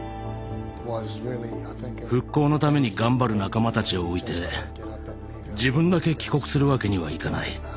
復興のために頑張る仲間たちを置いて自分だけ帰国するわけにはいかない。